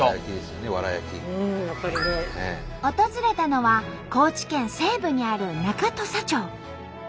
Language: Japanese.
訪れたのは高知県西部にある中土佐町。